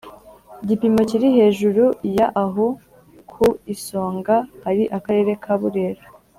gipimo kiri hejuru ya aho ku isonga hari akarere ka Burera